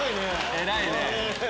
偉いね。